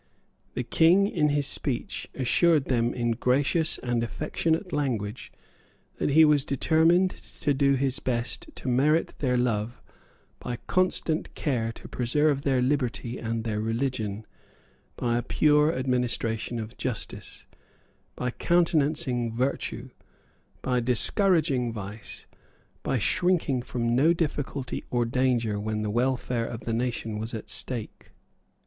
The King, in his speech, assured them in gracious and affectionate language that he was determined to do his best to merit their love by constant care to preserve their liberty and their religion, by a pure administration of justice, by countenancing virtue, by discouraging vice, by shrinking from no difficulty or danger when the welfare of the nation was at stake.